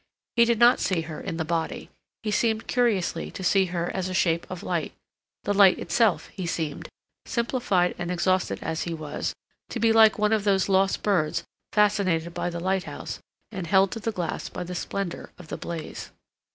He did not see her in the body; he seemed curiously to see her as a shape of light, the light itself; he seemed, simplified and exhausted as he was, to be like one of those lost birds fascinated by the lighthouse and held to the glass by the splendor of the blaze.